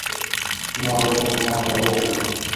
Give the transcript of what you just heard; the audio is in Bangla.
তিনি আমার জন্য বিছানার বাহিরে অপেক্ষা করেন।